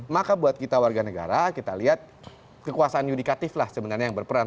maka buat kita warga negara kita lihat kekuasaan yudikatif lah sebenarnya yang berperan